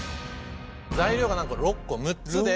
材料がなんと６個６つで。